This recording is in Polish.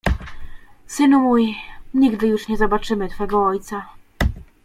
"Synu mój, nigdy już nie zobaczymy twojego ojca."